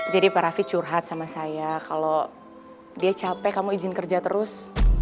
jadi pak raffi curhat sama saya kalau dia capek kamu izin kerja terus